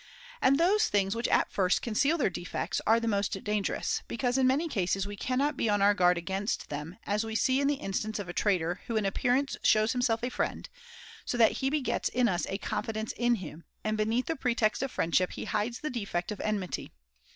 And those things which at first conceal their defects [^20] are the most dangerous ; because, in many cases, we cannot be on our guard against them, as we see in the instance of a traitor who in appearance shows himself a friend, so that he begets in us a confidence in him, and beneath the pretext of friendship he hides the defect of enmity.